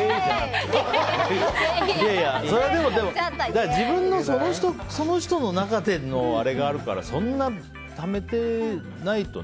それは自分のその人の中でのそれがあるからそんなためてないとね。